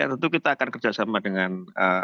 tentu kita akan kerjasama dengan